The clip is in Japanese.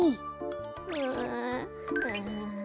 うんうん。